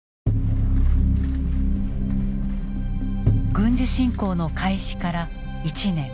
軍事侵攻の開始から１年。